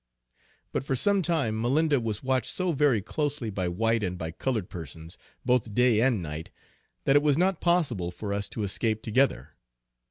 But for some time Malinda was watched so very closely by white and by colored persons, both day and night, that it was not possible for us to escape together.